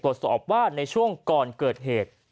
ตรวจสอบว่าในช่วงก่อนเกิดเหตุ